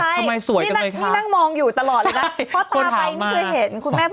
ใช่นี่นั่งมองอยู่ตลอดสิครับ